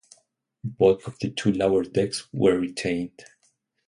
The bulk of the two lower decks were retained.